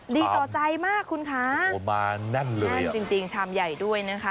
ดีต่อใจมากคุณคะโอ้มาแน่นเลยอ่ะจริงจริงชามใหญ่ด้วยนะคะ